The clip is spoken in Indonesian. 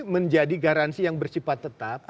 menjadi garansi yang bersifat tetap